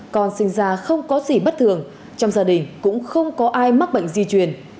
con sinh ra không có gì bất thường trong gia đình cũng không có ai mắc bệnh di truyền